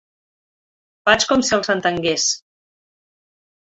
Faig com si els entengués.